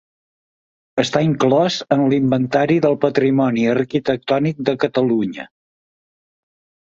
Està inclòs en l'Inventari del Patrimoni Arquitectònic de Catalunya.